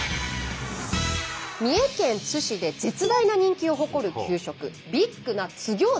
三重県津市で絶大な人気を誇る給食ビッグな津ぎょうざ。